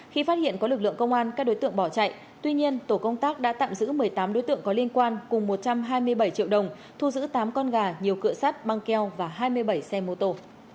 khi phát hiện có lực lượng công an các đối tượng bỏ chạy tuy nhiên tổ công tác đã tạm giữ một mươi tám đối tượng có liên quan cùng một trăm hai mươi bảy triệu đồng thu giữ tám con gà nhiều cửa sắt băng keo và hai mươi bảy xe mô tô